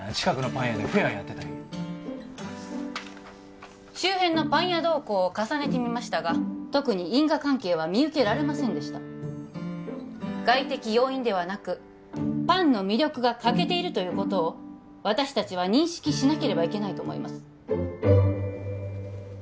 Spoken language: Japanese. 近くのパン屋でフェアやってた日周辺のパン屋動向を重ねてみましたが特に因果関係は見受けられませんでした外的要因ではなくパンの魅力が欠けているということを私達は認識しなければいけないと思います